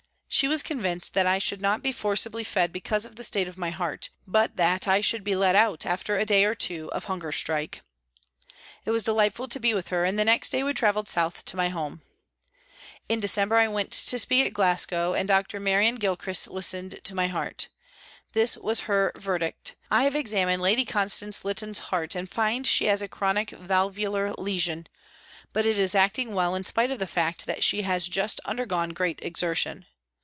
She was convinced that I should not be forcibly fed because of the state of my heart, but that I should be let out after a day or two of hunger strike. It was delightful to be with her, NEWCASTLE PRISON 233 and the next day we travelled south together to my home. In December I went to speak at Glasgow, and Dr. Marion Gilchrist listened to my heart. This was her verdict :" I have examined Lady Constance Lytton's heart and find she has a chronic valvular lesion, but it is acting well in spite of the fact that she has just undergone great exertion."